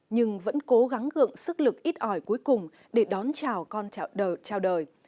nhưng vẫn cố gắng gượng sức lực ít ỏi cuối cùng để đón chào con chào đời